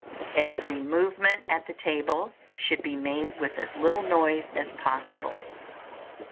Every movement at the table should be made with as little noise as possible.